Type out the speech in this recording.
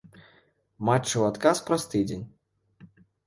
Матчы ў адказ праз тыдзень.